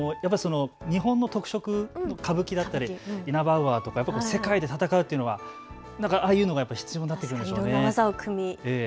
ヘッドバンギング、日本の特色、歌舞伎だったりイナバウアーとか世界で戦うっていうのはやっぱりああいうのが必要になってくるんでしょうね。